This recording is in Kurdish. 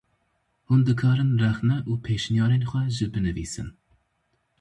Hûn dikarin rexne û pêşniyarên xwe jî binivîsin.